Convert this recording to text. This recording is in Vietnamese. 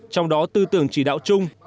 trong đó tư tưởng chỉ đạo chung